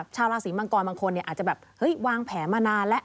ชาวราศีมังกรบางคนอาจจะแบบเฮ้ยวางแผนมานานแล้ว